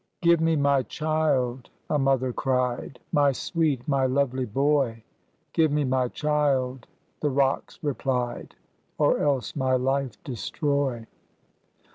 " Give me my child !" a mother cried, "My sweet, my lovely boy —(" Give me my child !" the rocks replied) — Or else my life destroy